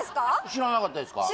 知らなかったですか？